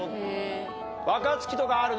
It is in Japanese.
若槻とかある？